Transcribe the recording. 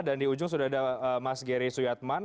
dan di ujung sudah ada mas gery suyadman